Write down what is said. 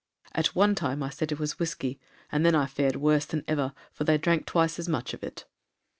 At one time I said it was whiskey, and then I fared worse than ever, for they drank twice as much of it.'